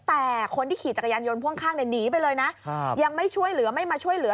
แต่คนที่ขี่จักรยานยนต์พ่วงข้างเนี่ยหนีไปเลยนะยังไม่ช่วยเหลือไม่มาช่วยเหลือ